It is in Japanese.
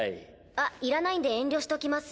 あっいらないんで遠慮しときます。